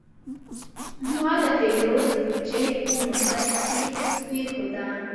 ما د پیرود بوجي په موټر کې کېښوده.